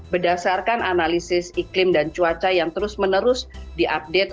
berdasarkan analisis iklim dan cuaca yang terus menerus diupdate